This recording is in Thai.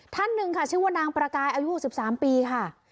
ท่านหนึ่งค่ะชื่อว่านางประกายอายุ๖๓ปีค่ะ